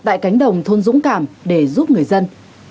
tại cánh đồng thôn dũng cảm để giúp người dân